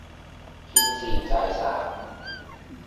กินสี่จ่ายสาม